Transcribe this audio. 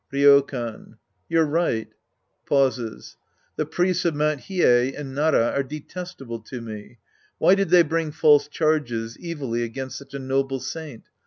Ryokan. You're right. {Pauses.) The priests of Mt. Hiei and Nara are detestable to me. Why did they bring false charges evilly against such a noble saint